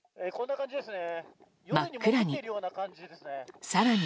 真っ暗に。